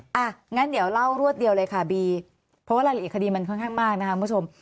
อ่ะงั้นเดี๋ยวเล่ารวดเดียวเลยค่ะบีเพราะว่ารายละเอียดคดีมันค่อนข้างมากนะคะคุณผู้ชม